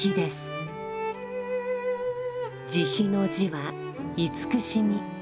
慈悲の「慈」は慈しみ。